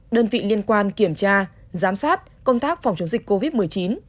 đơn vị liên quan kiểm tra giám sát công tác phòng chống dịch covid một mươi chín